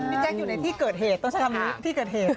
นี่แจงอยู่ในที่เกิดเหตุตรงจากใช่ค่ะ